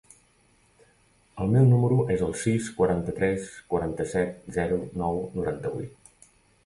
El meu número es el sis, quaranta-tres, quaranta-set, zero, nou, noranta-vuit.